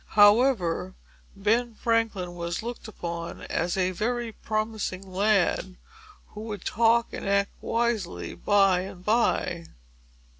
However, Ben Franklin was looked upon as a very promising lad, who would talk and act wisely by and by.